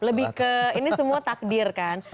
lebih ke ini semua takdir kan